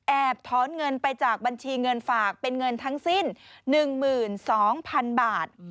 ถอนเงินไปจากบัญชีเงินฝากเป็นเงินทั้งสิ้น๑๒๐๐๐บาท